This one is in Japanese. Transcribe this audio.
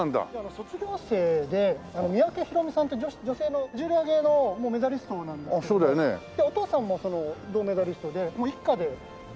卒業生で三宅宏実さんって女性の重量挙げのメダリストなんですけどもお父さんも銅メダリストで一家で重量挙げやってる。